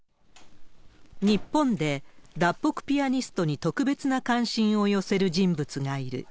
日本で、脱北ピアニストに特別な関心を寄せる人物がいる。